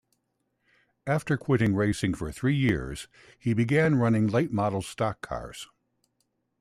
After quitting racing for three years, he began running late model stock cars.